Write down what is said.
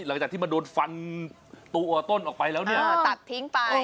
หลังจากที่มันโดนฟันตัวต้นออกไปแล้วเนี่ยตัดทิ้งไป